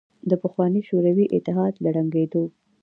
د پخواني شوروي اتحاد له ړنګېدو